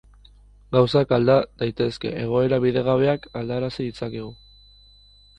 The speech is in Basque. Gauzak alda daitezke, egoera bidegabeak aldarazi ditzakegu.